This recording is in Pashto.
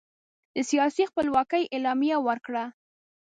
د سیاسي خپلواکۍ اعلامیه ورکړه.